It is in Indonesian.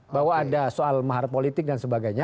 bahwa ada soal mahar politik dan sebagainya